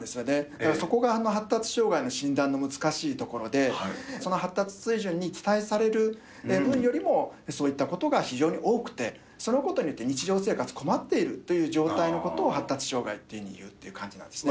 だからそこが発達障害の診断の難しいところで、その発達水準に期待される分よりもそういったことが非常に多くて、そのことによって日常生活困っているというような状態のことを発達障害というふうにいうという感じなんですね。